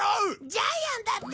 ジャイアンだって！